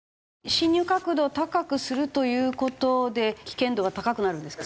進入角度を高くするという事で危険度が高くなるんですか？